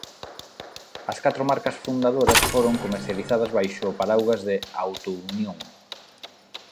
As catro marcas fundadoras foron comercializadas baixo o paraugas de Auto Union.